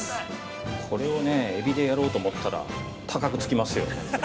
これをエビでやろうと思ったら高くつきますよ。